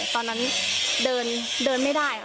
ตอนนั้นเดินดืนไม่ได้